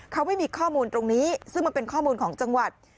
เขาไม่มีข้อมูลตรงนี้ซึ่งมันเป็นข้อมูลของจังหวัด